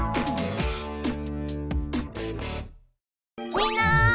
みんな！